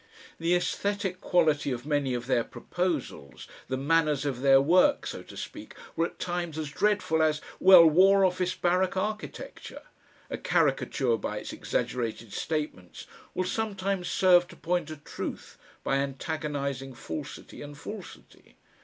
The esthetic quality of many of their proposals, the "manners" of their work, so to speak, were at times as dreadful as well, War Office barrack architecture. A caricature by its exaggerated statements will sometimes serve to point a truth by antagonising falsity and falsity.